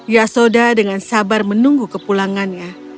yasoda dengan sabar menunggu kepulangannya